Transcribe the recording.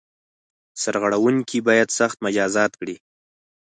سرغړوونکي باید سخت مجازات کړي.